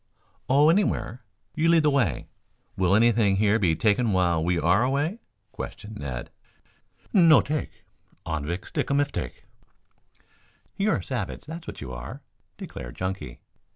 "Oh, anywhere. You lead the way. Will anything here be taken while we are away?" questioned Ned. "No take. Anvik stick um if take." "You're a savage, that's what you are," declared Chunky.